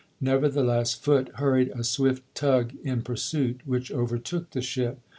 Nevertheless Foote hurried a swift tug in pursuit, which overtook the ship.